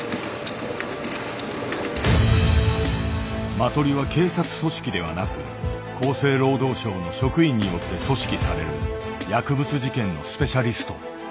マトリは警察組織ではなく厚生労働省の職員によって組織される薬物事件のスペシャリスト。